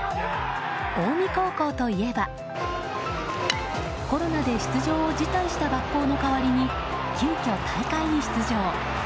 近江高校といえばコロナで出場を辞退した学校の代わりに急きょ大会に出場。